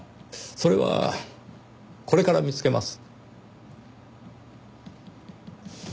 それはこれから見つけます。